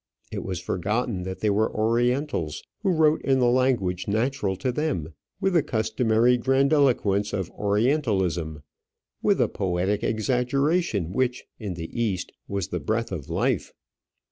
It was forgotten that they were Orientals, who wrote in the language natural to them, with the customary grandiloquence of orientalism, with the poetic exaggeration which, in the East, was the breath of life.